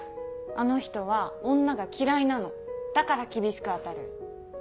あの人は女が嫌いなのだから厳しく当たる。